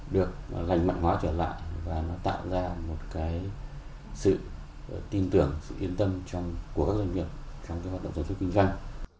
được lành mạnh hóa trở lại và tạo ra một sự tin tưởng sự yên tâm của các doanh nghiệp trong hoạt động doanh thuế kinh doanh